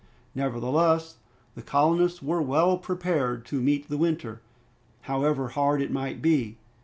Nevertheless, the colonists were well prepared to meet the winter, however hard it might be.